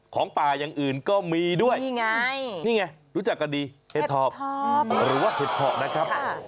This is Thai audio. ของปลายังอื่นก็มีด้วยนี่ไงรู้จักกันดีหรือว่าเห็ดทอบนะครับโอ้โฮดีไง